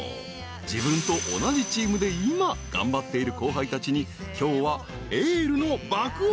［自分と同じチームで今頑張っている後輩たちに今日はエールの爆おごり］